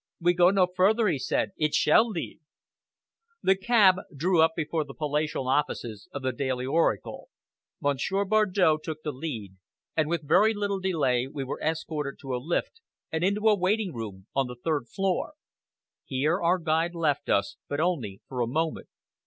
"We go no further," he said. "It shall leave!" The cab drew up before the palatial offices of the Daily Oracle. Monsieur Bardow took the lead, and with very little delay we were escorted to a lift, and into a waiting room on the third floor. Here our guide left us, but only for a moment.